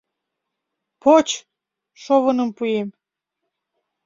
— Поч, шовыным пуэм.